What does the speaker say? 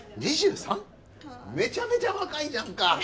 めちゃめちゃ若いじゃんか。